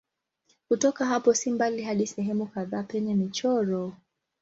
Kutoka hapo si mbali hadi sehemu kadhaa penye michoro.